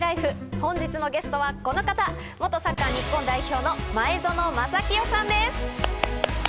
本日のゲストはこの方、元サッカー日本代表の前園真聖さんです。